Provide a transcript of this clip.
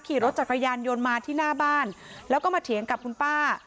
ขี่รถจักรยานยนต์มาที่หน้าบ้านแล้วก็มาเถียงกับคุณป้า